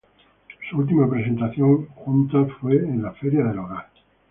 Su última presentación juntos fue en la Feria del Hogar.